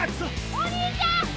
お兄ちゃん。